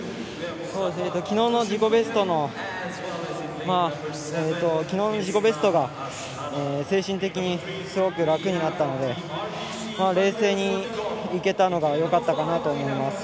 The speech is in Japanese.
昨日の自己ベストが精神的にすごく楽になったので冷静にいけたのがよかったかなと思います。